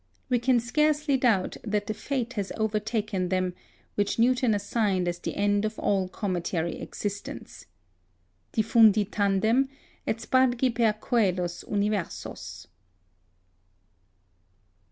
We can scarcely doubt that the fate has overtaken them which Newton assigned as the end of all cometary existence. _Diffundi tandem et spargi per coelos universos.